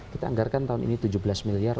kita anggarkan tahun ini tujuh belas miliar